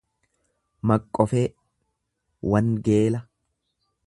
Maqqofee Wangeela